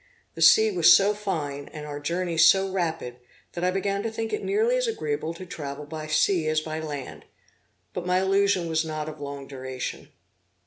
The sea was so fine, and our journey so rapid, that I began to think it nearly as agreeable to travel by sea as by land; but my illusion was not of long duration.